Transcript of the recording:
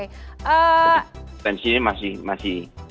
jadi pensinya masih